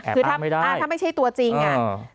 แอบอ้างไม่ได้อ่าถ้าไม่ใช่ตัวจริงอ่ะอ่า